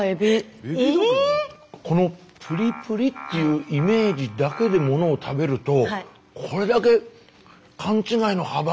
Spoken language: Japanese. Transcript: このプリプリっていうイメージだけでものを食べるとこれだけ勘違いの幅が人間って。